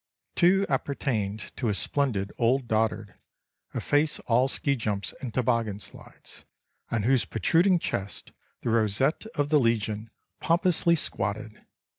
Two appertained to a splendid old dotard (a face all ski jumps and toboggan slides), on whose protruding chest the rosette of the Legion pompously squatted.